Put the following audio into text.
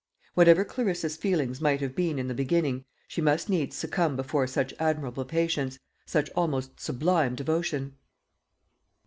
Whatever Clarissa's feelings might have been in the beginning, she must needs succumb before such admirable patience, such almost sublime devotion.